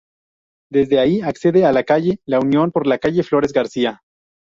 Desde ahí accede a calle La Unión por la calle Flores García.